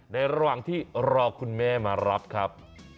ระหว่างที่รอคุณแม่มารับครับ